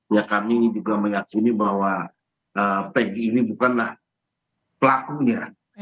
ya kami juga meyakini bahwa pegi ini bukanlah pelakunya